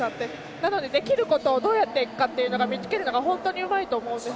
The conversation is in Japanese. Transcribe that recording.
なので、できることをどうやっていくかというのを見つけるのが本当にうまいと思うんです。